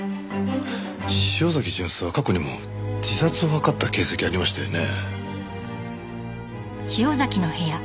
潮崎巡査は過去にも自殺を図った形跡がありましたよね。